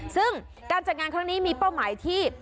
ซึ่งการจัดงานครั้งนี้มีเป้าหมายที่